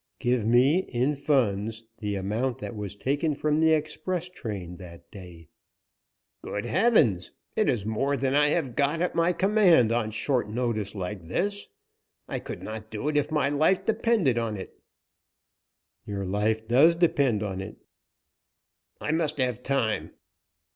"Give me, in funds, the amount that was taken from the express train that day." "Good heavens! it is more than I have got at my command on short notice like this. I could not do it if my life depended on it." "Your life does depend on it." "I must have time."